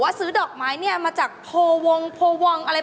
ว่าซื้อดอกไม้นี่มาจากโพวงอะไร